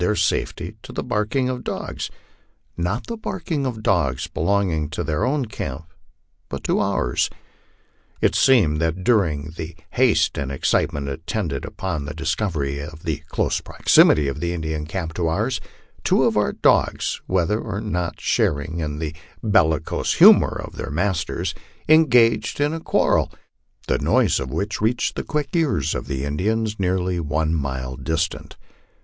235 their safety to the barking of dogs not the barking of dogs belonging to their own camp, but to ours. It seemed that during the haste and excitement attendant upon the discov ery of the close proximity of the Indian camp to ours, two of our dogs, wheth er or not sharing in the bellicose humor of their masters, engaged in a quar rel, the noise of which reached the quick ears of the Indians nearly one mile distant.